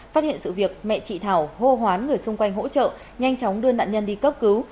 phát hiện sự việc mẹ chị thảo hô hoán người xung quanh hỗ trợ nhanh chóng đưa nạn nhân đi cấp cứu